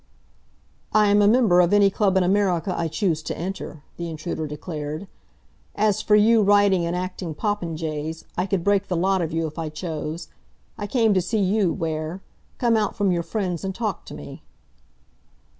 "I am a member of any club in America I choose to enter," the intruder declared. "As for you writing and acting popinjays, I could break the lot of you if I chose. I came to see you, Ware. Come out from your friends and talk to me."